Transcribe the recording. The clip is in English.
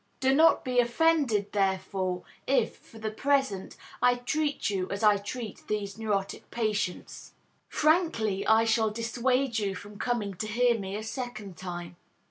Do not be offended, therefore, if, for the present, I treat you as I treat these neurotic patients. Frankly, I shall dissuade you from coming to hear me a second time.